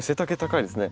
いいですね。